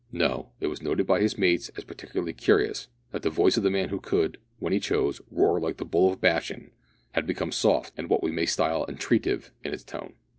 No, it was noted by his mates, as particularly curious, that the voice of the man who could, when he chose, roar like a bull of Bashan, had become soft and what we may style entreative in its tone.